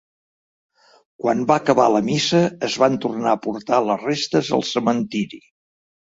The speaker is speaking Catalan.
Quan va acabar la missa es van tornar a portar les restes al cementiri.